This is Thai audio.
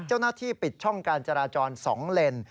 เจ้าหน้าที่ปิดช่องการจราจร๒เลน